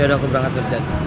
ya udah aku berangkat kerja